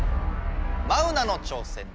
マウナの挑戦です。